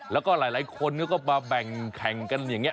แล้วก็หลายคนก็มาแบ่งแข่งกันอย่างนี้